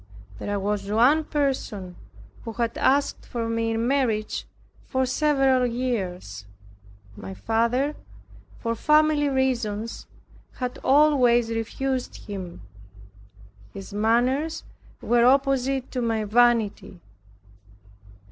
There was one person who had asked for me in marriage for several years. My father, for family reasons, had always refused him. His manners were opposite to my vanity.